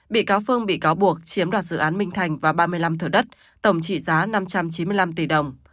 bị cáo phương bị cáo buộc chiếm đoạt dự án minh thành và ba mươi năm thửa đất tổng trị giá năm trăm chín mươi năm tỷ đồng